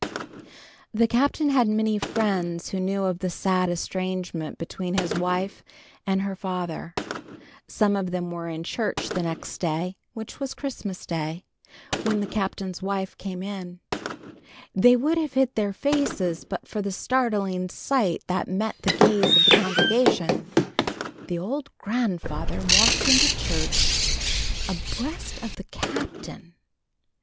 VIII. The Captain had many friends who knew of the sad estrangement between his wife and her father. Some of them were in church the next day, which was Christmas Day, when the Captain's wife came in. They would have hid their faces, but for the startling sight that met the gaze of the congregation. The old grandfather walked into church abreast of the Captain.